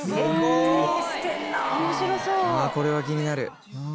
ああこれは気になる。